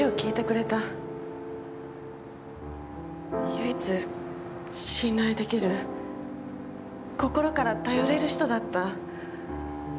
唯一信頼できる心から頼れる人だった。